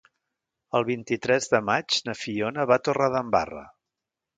El vint-i-tres de maig na Fiona va a Torredembarra.